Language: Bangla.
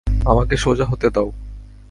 আমাকে সোজা হতে দাও।